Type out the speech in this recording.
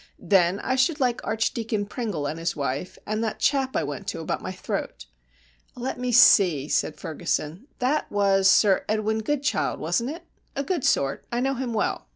Then I should like Archdeacon Pringle and his wife, and that chap I went to about my throat." "Let me see," said Ferguson "that was Sir Edwin Goodchild, wasn't it? A good sort I know him well.